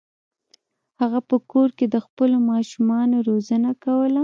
هغه په کور کې د خپلو ماشومانو روزنه کوله.